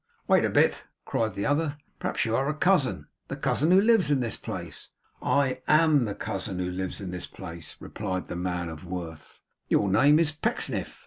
'Wait a bit!' cried the other, 'Perhaps you are a cousin the cousin who lives in this place?' 'I AM the cousin who lives in this place,' replied the man of worth. 'Your name is Pecksniff?